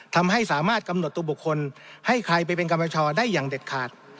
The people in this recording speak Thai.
ทำให้สามารถกำหนดตัวบุคคลให้ใครไปเป็นกรรมประชาได้อย่างเด็ดขาด